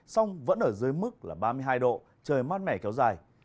song vẫn ở dưới mức là ba mươi hai độ trời mát mẻ kéo dài